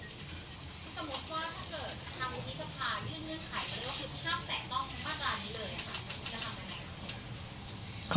สมมุติว่าถ้าเกิดทางมุมมิตรภาพยื่นเงื่อนไขไปแล้วคือพราบแตกต้องมากร้านนี้เลยค่ะจะทำยังไงครับ